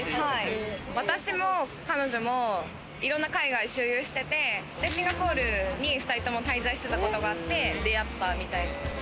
私も彼女もいろんな海外を周遊してて、シンガポールに２人とも滞在してた事があって、出会ったみたいな。